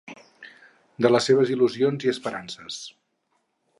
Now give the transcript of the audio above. De les seves il·lusions i esperances.